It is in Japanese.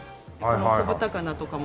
こぶ高菜とかも。